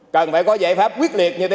cần phải có giải pháp quyết liệt như thế